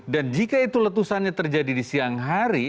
dan jika itu letusannya terjadi di siang hari